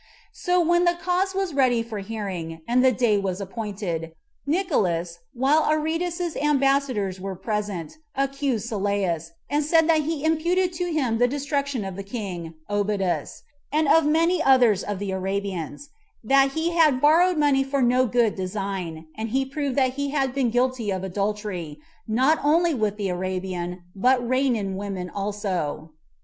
So when the cause was ready for a hearing, and the day was appointed, Nicolaus, while Aretas's ambassadors were present, accused Sylleus, and said that he imputed to him the destruction of the king [Obodas], and of many others of the Arabians; that he had borrowed money for no good design; and he proved that he had been guilty of adultery, not only with the Arabian, but Reinan women also.